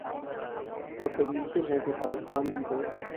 اور پھر ممکن ہے کہ پاکستان بھی ہو